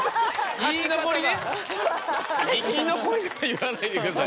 「生き残り」は言わないでください。